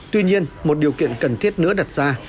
tuy nhiên một điều kiện cần thiết nữa đặt ra